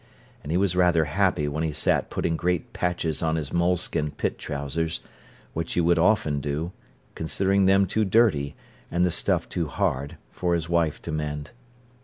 And he was rather happy when he sat putting great patches on his moleskin pit trousers, which he would often do, considering them too dirty, and the stuff too hard, for his wife to mend.